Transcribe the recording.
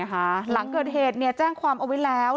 หลังเกิดเหตุแจ้งความเอาไว้แล้ว